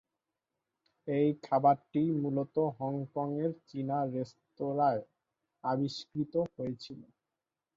এই খাবারটি মূলত হংকংয়ের চীনা রেস্তোরাঁয় আবিষ্কৃত হয়েছিল।